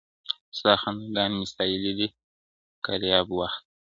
ستا خنداگاني مي ساتلي دي کرياب وخت ته.